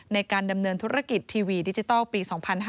ในการดำเนินธุรกิจทีวีดิจิทัลปี๒๕๕๙